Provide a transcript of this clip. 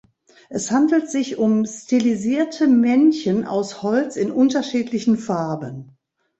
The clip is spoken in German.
Es handelt sich um stilisierte Männchen aus Holz in unterschiedlichen Farben.